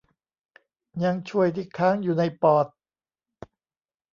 ยังช่วย ที่ค้างอยู่ในปอด